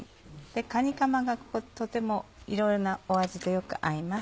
かにかまがとてもいろいろな味とよく合います。